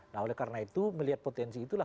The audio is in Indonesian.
nah oleh karena itu melihat potensi itulah